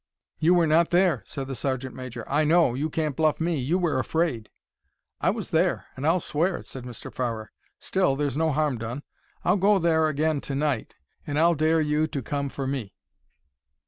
"You were not there," said the sergeant major. "I know. You can't bluff me. You were afraid." "I was there, and I'll swear it," said Mr. Farrer. "Still, there's no harm done. I'll go there again to night, and I'll dare you to come for me?"